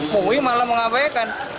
mui malah mengabaikan